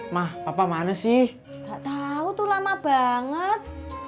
mah apa mana sih tau tuh lama banget